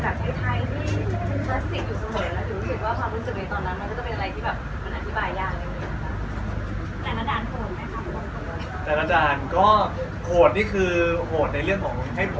คราวนี้ก็จะนั่งถามแล้วว่าที่ไหนอย่างไรอย่างงี้ค่ะ